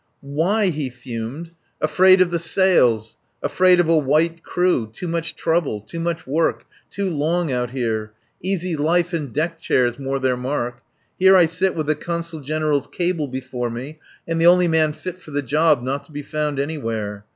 "Why!" he fumed. "Afraid of the sails. Afraid of a white crew. Too much trouble. Too much work. Too long out here. Easy life and deck chairs more their mark. Here I sit with the Consul General's cable before me, and the only man fit for the job not to be found anywhere.